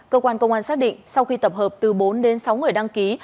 cơ quan công an xác định sau khi tập hợp từ bốn đến sáu người đăng ký